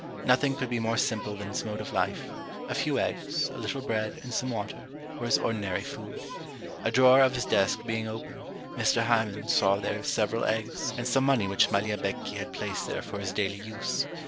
Nothing could be more simple than his mode of life; a few eggs, a little bread, and some water, were his ordinary food. A drawer of his desk being open, Mr. Heyman saw there several eggs, and some money which Magliabechi had placed there for his daily use.